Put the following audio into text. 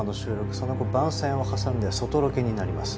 その後番宣を挟んで外ロケになります。